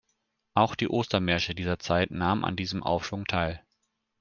Auch die Ostermärsche dieser Zeit nahmen an diesem Aufschwung teil.